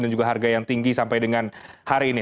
dan juga harga yang tinggi sampai dengan hari ini